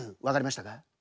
わかりましたか？